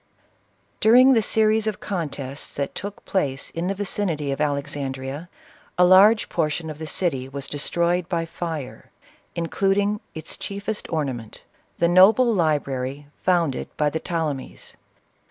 During the series of contests that took place in the vicinity of Alexandrea, a large portion of the city was destroyed by fire, including its chiefest ornament, the noble library founded by the Ptolemies.